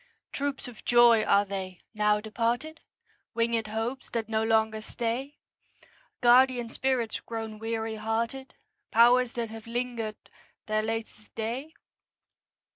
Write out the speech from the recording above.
Troops of joys are they, now departed? Winged hopes that no longer stay? Guardian spirits grown weary hearted? Powers that have linger'd their latest day?